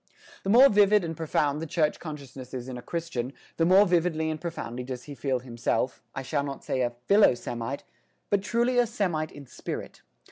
The more vivid and profound the church consciousness is in a Christian, the more vividly and profoundly does he feel himself, I shall not say a philo Semite, but truly a Semite in spirit.